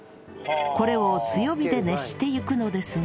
これを強火で熱していくのですが